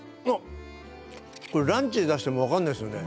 これランチで出しても分かんないですよね。